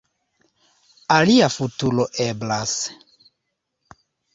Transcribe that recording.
Alia futuro eblas.